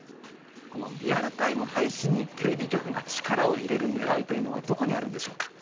このリアルタイム配信にテレビ局が力を入れる狙いというのはどこにあるんでしょうか？